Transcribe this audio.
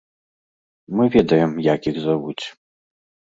Мы ведаем, як іх завуць.